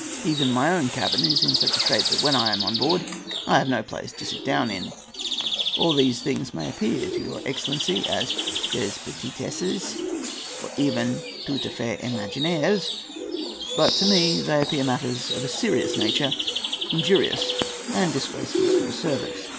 Even my own cabin is in such a state that when I am on board I have no place to sit down in. All these things may appear to your excellency as "des petitesses," or even "tout a fait imaginaires," but to me they appear matters of a serious nature, injurious and disgraceful to the service.